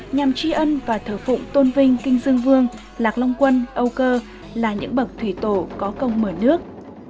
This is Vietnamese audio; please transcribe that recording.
nhằm tri ân và thờ phụng tôn vinh kinh dương vương lạc long quân âu cơ là những bậc thủy tổ có công mở nước